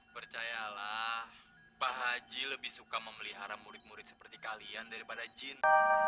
percayalah pak haji lebih suka memelihara murid murid seperti kalian daripada jin